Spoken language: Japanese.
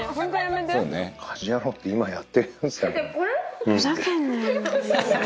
『家事ヤロウ！！！』って今やってるやつだから。